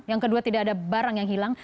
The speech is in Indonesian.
yang kedua tidak ada barang yang hilang